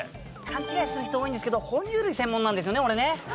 勘違いする人多いんですけど哺乳類専門なんですよね俺ね。